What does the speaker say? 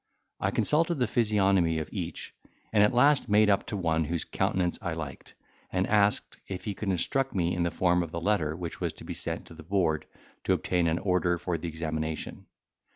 I consulted the physiognomy of each, and at last made up to one whose countenance I liked, and asked, if he could instruct me in the form of the letter which was to be sent to the Board to obtain an order for examination?